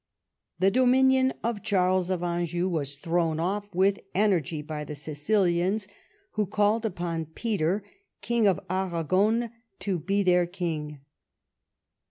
The dominion of Charles of Anjou was thrown off with energy by the Sicilians, who called upon Peter, King of Aragon, to be their king.